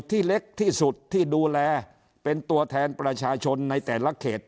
เล็กที่สุดที่ดูแลเป็นตัวแทนประชาชนในแต่ละเขต